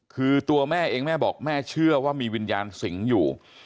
คือตัวแม่เองแม่บอกแม่เชื่อว่ามีวิญญาณสิงห์อยู่